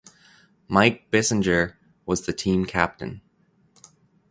Mike Bissinger was the team captain.